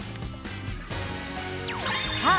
さあ！